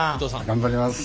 頑張ります。